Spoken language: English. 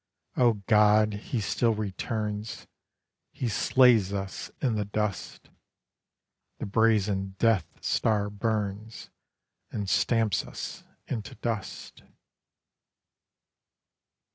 O God! he still returns; He slays us in the dust; The brazen Death Star burns And stamps us into dust.